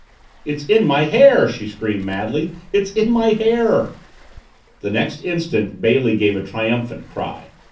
"It's in my hair!" she screamed madly. "It's in my hair!" The next instant Bailey gave a triumphant cry.